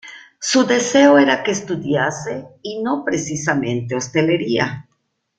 Su deseo era que estudiase, y no precisamente hostelería.